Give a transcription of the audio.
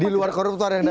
di luar koruptor yang dapat